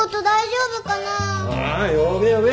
ああ呼べ呼べ。